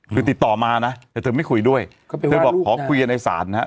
คือติดต่อมานะแต่เธอไม่คุยด้วยเธอบอกขอคุยกันในศาลนะฮะ